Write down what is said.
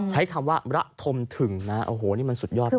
ใช้คำว่ารัฐมถึงนี่มันสุดยอดมาก